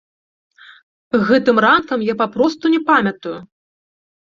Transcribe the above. Гэтым ранкам я папросту не памятаю.